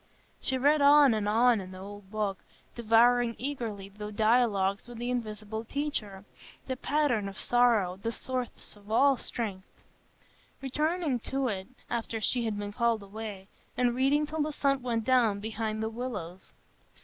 She read on and on in the old book, devouring eagerly the dialogues with the invisible Teacher, the pattern of sorrow, the source of all strength; returning to it after she had been called away, and reading till the sun went down behind the willows.